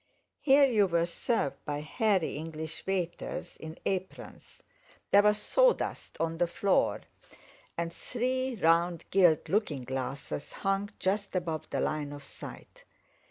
Here you were served by hairy English waiters in aprons; there was sawdust on the floor, and three round gilt looking glasses hung just above the line of sight.